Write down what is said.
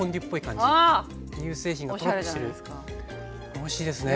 おいしいですね。